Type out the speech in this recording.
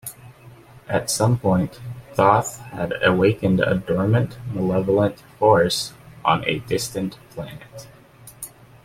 At some point, Thoth had awakened a dormant, malevolent force on a distant planet.